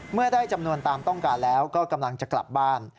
เมื่อได้จำนวนตามต้องการแล้วก็กำลังจะกลับบ้าน